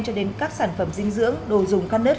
cho đến các sản phẩm dinh dưỡng đồ dùng khăn đất